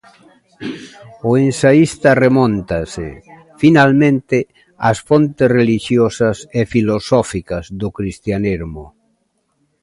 O ensaísta remóntase, finalmente, ás fontes relixiosas e filosóficas do cristianismo.